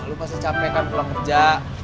lu pasti capek kan pulang kerja